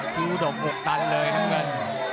คิวดม๖ตันเลยน้ำเงิน